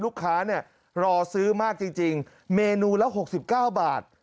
ลูกค้าเนี่ยรอซื้อมากจริงเมนูละ๖๙บาท